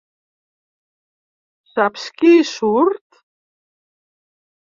Saps qui hi surt?